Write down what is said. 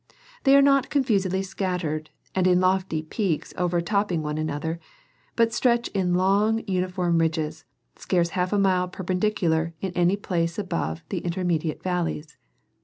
They are not confusedly scattered and in lofty peaks overtopping one another, but stretch in long uniform ridges scarce half a mile perpendicular in any place above the intermediate vallies.